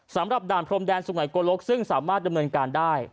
สำหรับด่านพรมแดนสุงัยโกลกซึ่งสามารถดำเนินการได้